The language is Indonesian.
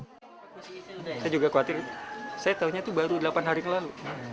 saya juga khawatir saya tahunya itu baru delapan hari yang lalu